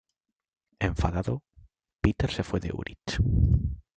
Enfadado, Peter se fue de Urich.